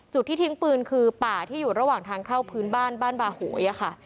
ที่ทิ้งปืนคือป่าที่อยู่ระหว่างทางเข้าพื้นบ้านบ้านบาโหยค่ะ